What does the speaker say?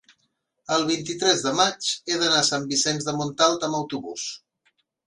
el vint-i-tres de maig he d'anar a Sant Vicenç de Montalt amb autobús.